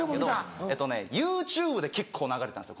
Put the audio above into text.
ＹｏｕＴｕｂｅで結構流れたんですよ